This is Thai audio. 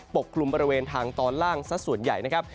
กลุ่มบริเวณทางตอนล่างสักส่วนใหญ่นะครับ